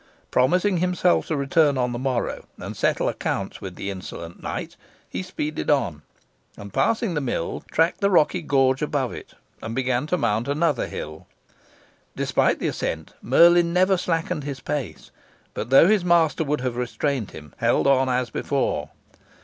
Promising himself to return on the morrow, and settle accounts with the insolent knight, he speeded on, and, passing the mill, tracked the rocky gorge above it, and began to mount another hill. Despite the ascent, Merlin never slackened his pace, but, though his master would have restrained him, held on as before.